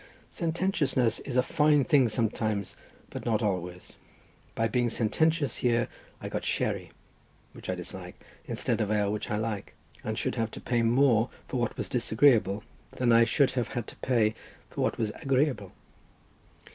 Sententiousness is a fine thing sometimes, but not always. By being sententious here, I got sherry, which I dislike, instead of ale which I like, and should have to pay more for what was disagreeable than I should have had to pay for what was agreeable.